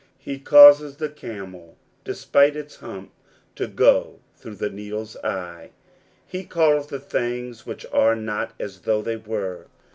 He causes the camel, despite its hump, to go through the needle's eye. He calleth the things which are not as though they were.